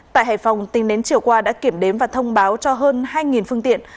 tại hải phòng tính đến chiều qua đã kiểm đếm và thông báo cho hơn hai phương tiện